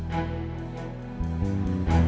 kok sepi banget sih